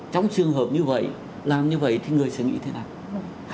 trong trường hợp như vậy làm như vậy thì người sẽ nghĩ thế nào